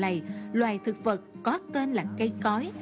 đầm cói ven đầm là một loài thực vật có tên là cây cói